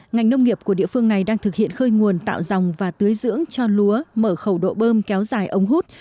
ngành nông nghiệp của địa phương này đang thực hiện khơi nguồn tạo dòng và tưới dưỡng cho lúa mở khẩu độ bơm kéo dài ống hút